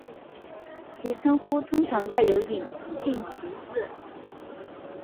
其称呼通常带有隐性歧视。